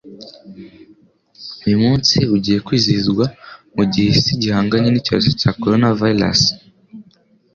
Uyu munsi ugiye kwizihizwa mu gihe Isi igihanganye n'icyorezo cya Coronavirus